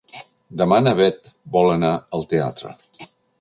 Demà na Beth vol anar al teatre.